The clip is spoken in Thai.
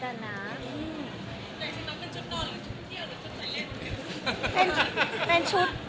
แต่ฉันน้ำเป็นชุดนอนหรือชุดเที่ยวหรือชุดใส่เล่น